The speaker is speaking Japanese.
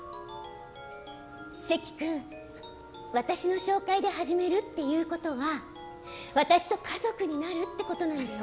関君私の紹介で始めるっていうことは私と家族になるってことなんだよ！